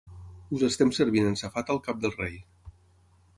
Us estem servint en safata el cap del rei.